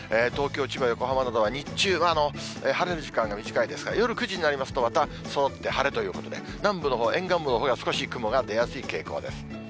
東京、千葉、横浜などは日中、晴れる時間が短いですから、夜９時になりますと、また、そろって晴れということで、南部のほう、沿岸部のほうが少し雲が出やすい傾向です。